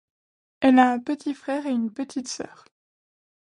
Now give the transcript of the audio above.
Elle a un petit frère et une petite sœur.